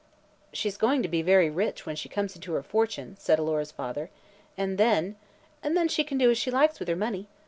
"She's going to be very rich, when she comes into her fortune," said Alora's father, "and then " "And then she can do as she likes with her money.